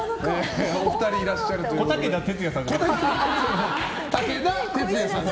お二人いらっしゃるということで。